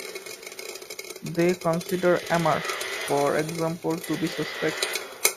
They considered Amar, for example, to be suspect.